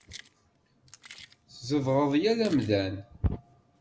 Tzedɣeḍ yal amdan.